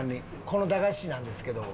この駄菓子なんですけど。